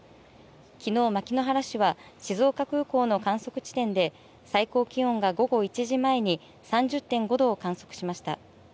きのう牧之原市は静岡空港の観測地点で最高気温が午後１時前に３０．５度を観測しました。